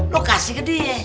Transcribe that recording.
lo kasih ke dia